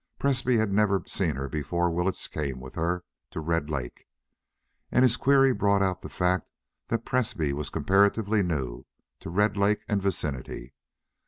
Presbrey had never seen her before Willetts came with her to Red Lake. And this query brought out the fact that Presbrey was comparatively new to Red Lake and vicinity.